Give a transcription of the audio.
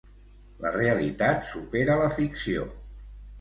La realitat supera la ficció.